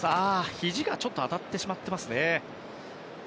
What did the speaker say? ひじがちょっと当たってしまっていますね。